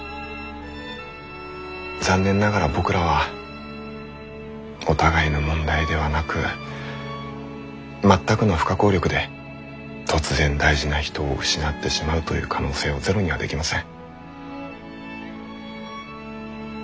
残念ながら僕らはお互いの問題ではなく全くの不可抗力で突然大事な人を失ってしまうという可能性をゼロにはできません。